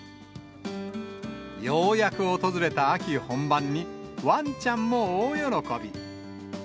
ようやく訪れた秋本番に、わんちゃんも大喜び。